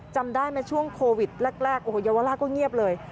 จำได้ไหมช่วงโควิดแรกโอ้โหเยาวราชก็เงียบเลย